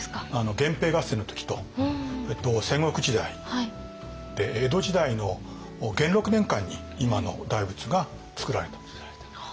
源平合戦の時と戦国時代で江戸時代の元禄年間に今の大仏がつくられた。